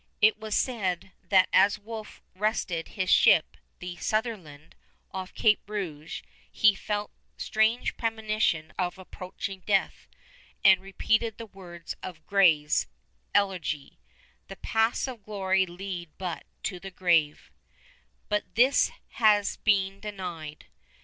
It is said that as Wolfe rested in his ship, the Sutherland, off Cape Rouge, he felt strange premonition of approaching death, and repeated the words of Gray's "Elegy," "The paths of glory lead but to the grave," but this has been denied.